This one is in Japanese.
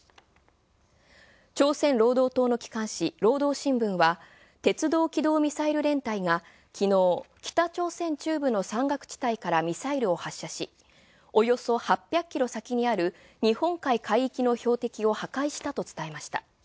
朝鮮労働党の機関紙、労働新聞はきのう、北朝鮮中部の山岳地帯からミサイルを発射し、およそ８００キロ先にある日本海海域の標的は破壊したと伝えました。